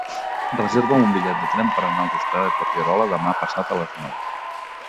Reserva'm un bitllet de tren per anar als Hostalets de Pierola demà passat a les nou.